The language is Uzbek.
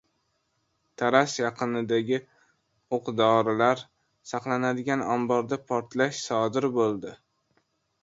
Taraz yaqinidagi o‘q-dorilar saqlanadigan omborda portlash sodir bo‘ldi